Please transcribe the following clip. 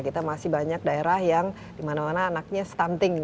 kita masih banyak daerah yang dimana mana anaknya stunting